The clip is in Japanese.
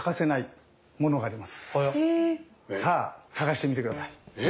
さあ探してみて下さい。